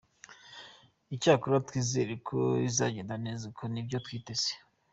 Icyakora twizere ko izagenda neza kuko nibyo twiteze.